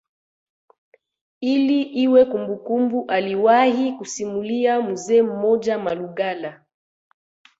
Ili iwe kumbukumbu aliwahi kusimulia mzee mmoja Malugala